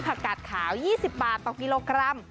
กาดขาว๒๐บาทต่อกิโลกรัม